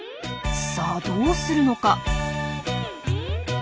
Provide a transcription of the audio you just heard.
さあどうするのか？